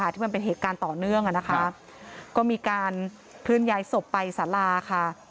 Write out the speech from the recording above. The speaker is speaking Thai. ที่มันเป็นเหตุการณ์ต่อเนื่องอ่ะนะคะก็มีการเคลื่อนย้ายศพไปสาราค่ะ